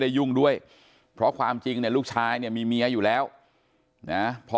ยุ่งด้วยเพราะความจริงเนี่ยลูกชายเนี่ยมีเมียอยู่แล้วนะพอ